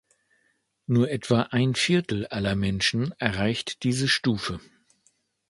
Nur etwa ein Viertel aller Menschen erreicht diese Stufe.